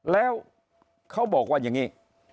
แล้วเขาบอกว่าอย่างนี้